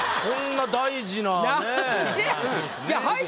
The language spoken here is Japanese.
こんな大事なね。